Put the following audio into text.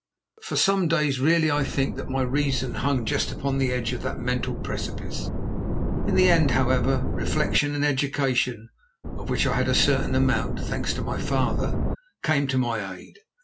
For some days really I think that my reason hung just upon the edge of that mental precipice. In the end, however, reflection and education, of which I had a certain amount, thanks to my father, came to my aid.